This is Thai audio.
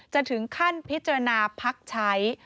จะถึงขั้นพิจารณาพักใช้